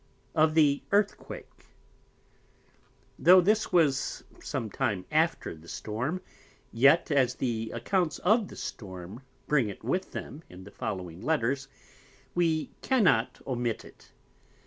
Of the Earthquake Tho' this was some time after the Storm, yet as the Accounts of the Storm bring it with them in the following Letters, we cannot omit it.